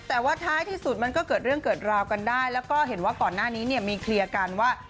แต่ว่าท้ายที่สุดมันก็เกิดเรื่องเกิดราวกันได้แล้วก็เห็นว่าก่อนหน้านี้เนี่ยมีเคลียร์กันว่า